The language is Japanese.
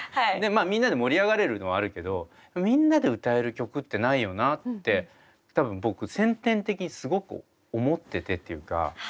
みんなで盛り上がれるのはあるけどみんなで歌える曲ってないよなって多分僕先天的にすごく思っててっていうか。